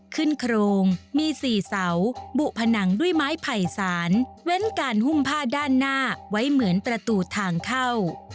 โครงมี๔เสาบุผนังด้วยไม้ไผ่สารเว้นการหุ้มผ้าด้านหน้าไว้เหมือนประตูทางเข้า